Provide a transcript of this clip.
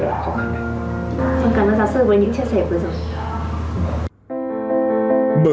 chân cảm ơn giáo sư với những chia sẻ vừa rồi